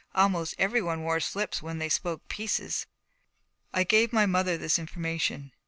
Almost everyone wore slips when they spoke pieces. I gave my mother this information.